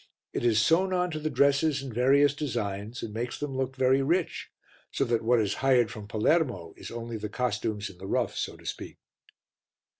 It is sewn on to the dresses in various designs and makes them look very rich, so that what is hired from Palermo is only the costumes in the rough, so to speak.